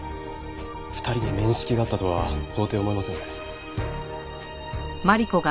２人に面識があったとは到底思えませんね。